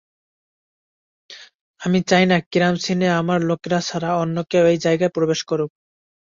আমি চাই না ক্রাইম সিনে আমার লোকরা ছাড়া অন্য কেউ এই জায়গায় প্রবেশ করুক।